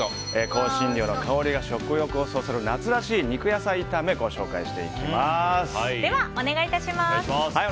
香辛料の香りが食欲をそそる夏らしい肉野菜炒めをではお願いします。